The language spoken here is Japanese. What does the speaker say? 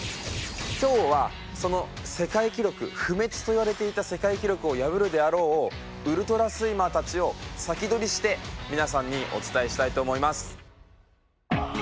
今日はその世界記録不滅といわれていた世界記録を破るであろうウルトラスイマーたちをサキドリして皆さんにお伝えしたいと思います。